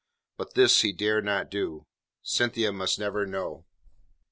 But this he dared not do. Cynthia must never know.